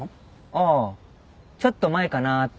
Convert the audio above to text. ああ「ちょっと前かな」って。